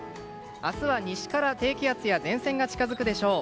明日は西から低気圧や前線が近づくでしょう。